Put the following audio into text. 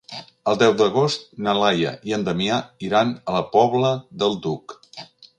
El deu d'agost na Laia i en Damià iran a la Pobla del Duc.